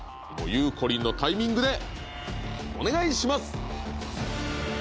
ゆうこりんのタイミングでお願いします！